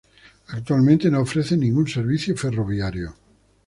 Actualmente, no ofrece ningún servicio ferroviario.